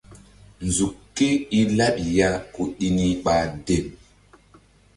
Nzuk ke i laɓi ya ku ɗi ni ɓa dem.